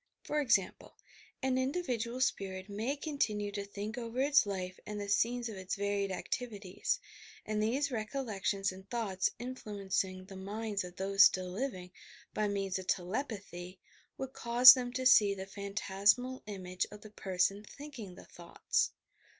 For example : an individual spirit may continue to think over its life and the scenes of its varied activities, and these recollections and thoughts, influencing the minds of those still living, by means of telepathy, would cause them to see the phan tasmal image of the person thinking the thoughts.